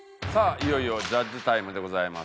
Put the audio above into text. いよいよジャッジタイムでございます。